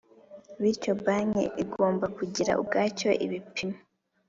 Bityo banki igomba kugira ubwacyo ibipimo